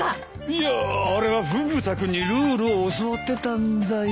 いやあれはフグ田君にルールを教わってたんだよ。